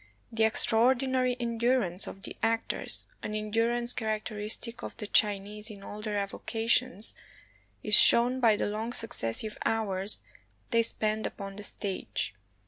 The extraordinary endurance of the actors, an endurance characteristic of the Chinese in all their avocations, is shown by the long successive hours they spend upon the stage.